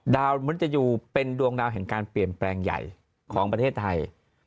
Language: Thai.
มนุษย์ยูเป็นดวงดาวแห่งการเปลี่ยนแปลงใหญ่ของประเทศไทย